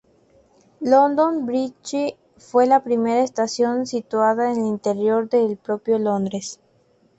London Bridge fue la primera estación situada en el interior del propio Londres.